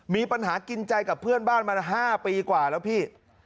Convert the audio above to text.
มีปัญหากินใจกับเพื่อนบ้านมา๕ปีกว่าแล้วพี่